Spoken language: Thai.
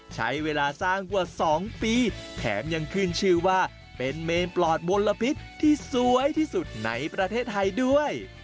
ใช้เวลาสร้างกว่า๒ปีแถมยังขึ้นชื่อว่าเป็นเมนปลอดมลพิษที่สวยที่สุดในประเทศไทยด้วย